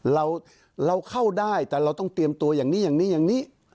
เราเข้าได้แต่เราต้องเตรียมตัวอย่างนี้อย่างนี้อย่างนี้